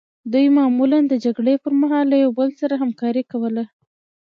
دوی معمولا د جګړې پرمهال له یو بل سره همکاري کوله